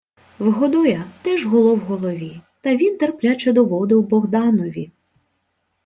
В Годоя теж гуло в голові, та він терпляче доводив Богданові: